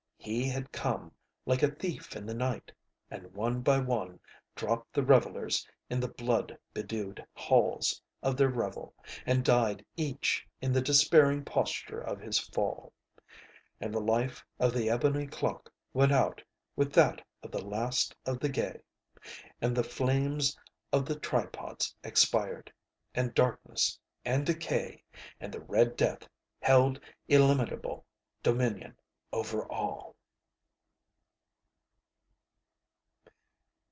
He had come like a thief in the night. And one by one dropped the revellers in the blood bedewed halls of their revel, and died each in the despairing posture of his fall. And the life of the ebony clock went out with that of the last of the gay. And the flames of the tripods expired. And Darkness and Decay and the Red Death held illimitable dominion over all.